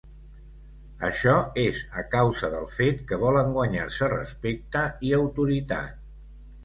Això és a causa del fet que volen guanyar-se respecte i autoritat.